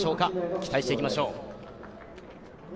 期待していきましょう。